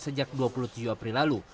sejak dua puluh tujuh april lalu